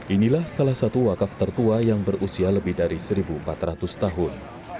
inilah salah satu wakaf tertua yang berusia lebih dari satu empat ratus tahun